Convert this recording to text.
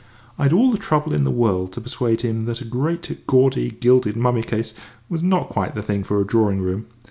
I'd all the trouble in the world to persuade him that a great gaudy gilded mummy case was not quite the thing for a drawing room.